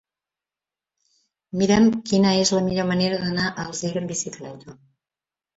Mira'm quina és la millor manera d'anar a Alzira amb bicicleta.